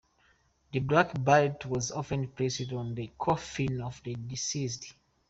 A Black Beret was often placed on the coffin of the deceased.